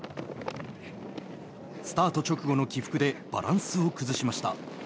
スタート直後の起伏でバランスを崩しました。